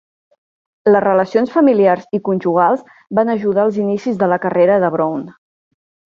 Les relacions familiars i conjugals van ajudar els inicis de la carrera de Browne.